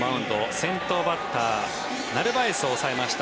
先頭バッターナルバエスを抑えました。